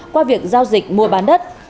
qua việc giao dịch mua bán đất